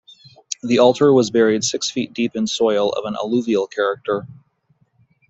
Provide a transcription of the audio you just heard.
The altar was buried six feet deep in soil of an alluvial character.